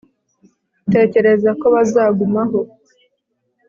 tekereza ko bazagumaho